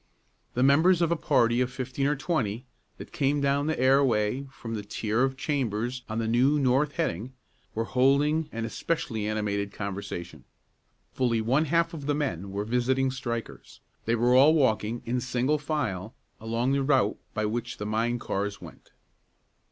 The members of a party of fifteen or twenty, that came down the airway from the tier of chambers on the new north heading, were holding an especially animated conversation. Fully one half of the men were visiting strikers. They were all walking, in single file, along the route by which the mine cars went.